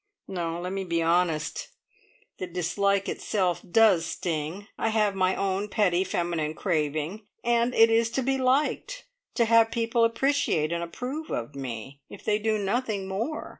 No, let me be honest; the dislike itself does sting. I have my own petty feminine craving, and it is to be liked, to have people appreciate and approve of me, if they do nothing more.